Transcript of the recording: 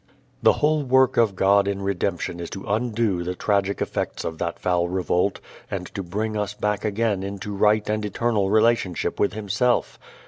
The whole work of God in redemption is to undo the tragic effects of that foul revolt, and to bring us back again into right and eternal relationship with Himself.